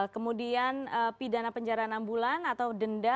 kemudian pidana penjara enam bulan atau denda